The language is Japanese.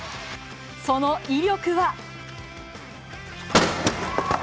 その威力は。